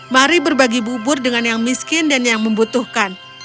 mari berbagi bubur dengan yang miskin dan yang membutuhkan